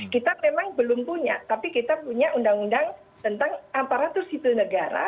kita memang belum punya tapi kita punya undang undang tentang aparatur sipil negara